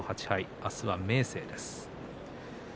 明日は明生です。